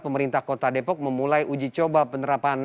pemerintah kota depok memulai uji coba penerapan